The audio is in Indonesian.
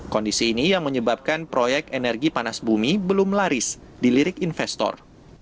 kondisi ini yang menyebabkan proyek energi panas bumi belum laris dilirik investor